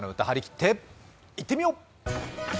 張り切っていってみよう！